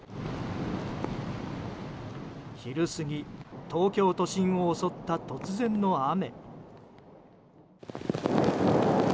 昼過ぎ、東京都心を襲った突然の雨。